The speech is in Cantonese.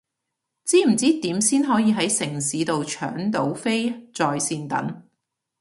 知唔知點先可以係城市到搶到飛在線等？